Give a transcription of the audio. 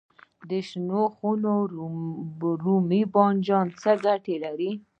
د شنو خونو رومي بانجان څه ګټه لري؟